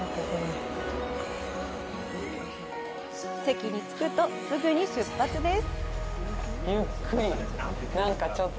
席に着くと、すぐに出発です。